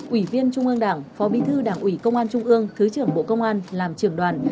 ủy viên trung ương đảng phó bí thư đảng ủy công an trung ương thứ trưởng bộ công an làm trưởng đoàn